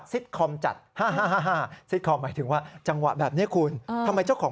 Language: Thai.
คอมจัดซิตคอมหมายถึงว่าจังหวะแบบนี้คุณทำไมเจ้าของ